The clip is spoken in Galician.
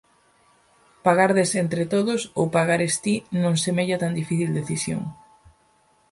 Pagardes entre todos ou pagares ti non semella tan difícil decisión.